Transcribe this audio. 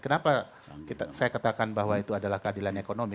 kenapa saya katakan bahwa itu adalah keadilan ekonomi